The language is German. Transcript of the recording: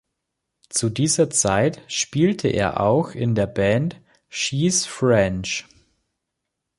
Zu dieser Zeit spielte er auch in der Band She's French.